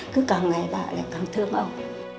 cứ càng ngày bà lại càng thương ông